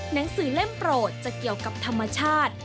หนังสือเล่มโปรดจะเกี่ยวกับธรรมชาติ